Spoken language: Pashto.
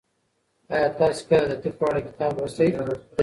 ایا تاسي کله د طب په اړه کتاب لوستی دی؟